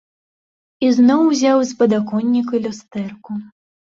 Ізноў узяў з падаконніка люстэрку.